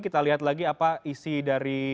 kita lihat lagi apa isi dari